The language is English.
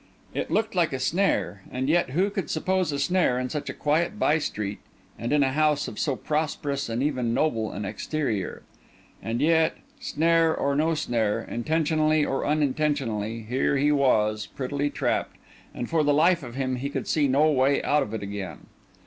It looked like a snare; and yet who could suppose a snare in such a quiet by street and in a house of so prosperous and even noble an exterior? And yet—snare or no snare, intentionally or unintentionally—here he was, prettily trapped; and for the life of him he could see no way out of it again.